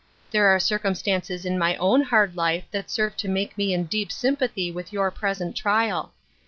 There are cir cumstances in my own hard life that serve to make me in deep sympathy with your present trial.